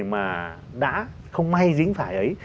mà đã không may dính phải ấy